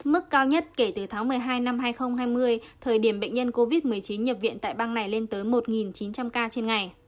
mức cao nhất kể từ tháng một mươi hai năm hai nghìn hai mươi thời điểm bệnh nhân covid một mươi chín nhập viện tại bang này lên tới một chín trăm linh ca trên ngày